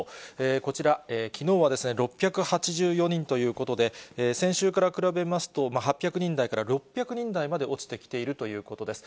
こちら、きのうは６８４人ということで、先週から比べますと、８００人台から６００人台まで落ちてきているということです。